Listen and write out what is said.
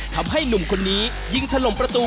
ทำให้หนุ่มคนนี้ยิงถล่มประตู